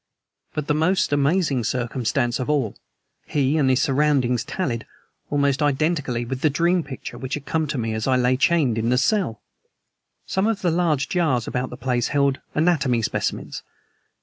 But, most amazing circumstance of all, he and his surroundings tallied, almost identically, with the dream picture which had come to me as I lay chained in the cell! Some of the large jars about the place held anatomy specimens.